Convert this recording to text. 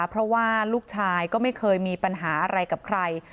เพราะว่าลูกชายก็ไม่เคยมีปัญหาอะไรกับใคร